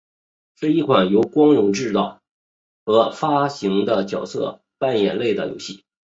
是一款由光荣制作和发行的角色扮演类游戏。